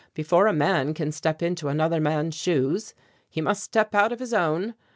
Before a man can step into another's shoes, he must step out of his own.